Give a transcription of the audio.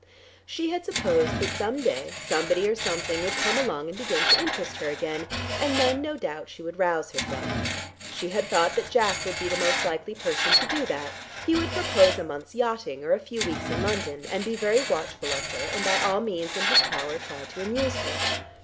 She had supposed that some day somebody or something would come along and begin to interest her again, and then no doubt she would rouse herself. She had thought that Jack would be the most likely person to do that; he would propose a month's yachting, or a few weeks in London, and be very watchful of her, and by all means in his power try to amuse her.